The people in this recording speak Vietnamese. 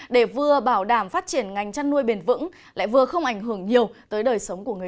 để vừa bảo đảm phát triển ngành chăn nuôi bền vững